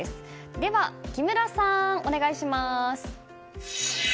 では木村さん、お願いします。